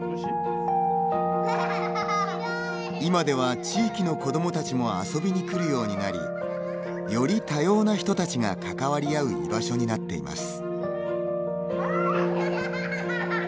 今では地域の子どもたちも遊びに来るようになりより多様な人たちが関わり合う居場所になっています。